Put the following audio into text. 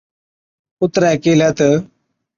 ڪُتري ڪيهلَي تہ،